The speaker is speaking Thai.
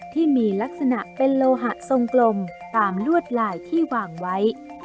ที่มีลักษณะเป็นโลหะทรงกลมตามลวดลายที่วางไว้